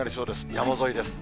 山沿いです。